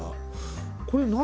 これ何？